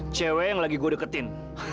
cewek yang lagi gue deketin